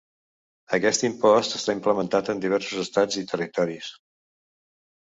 Aquest impost està implementat en diversos estats i territoris.